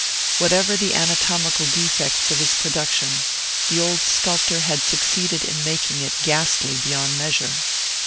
Whatever the anatomical defects of his production, the old sculptor had succeeded in making it ghastly beyond measure.